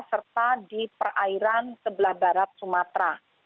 serta di perairan sebelah barat sumatera